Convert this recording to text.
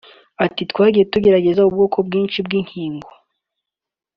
Ati “Twagiye tugerageza ubwoko bwinshi bw’inkingo